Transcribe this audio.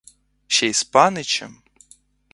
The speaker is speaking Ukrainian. Ще й з паничем!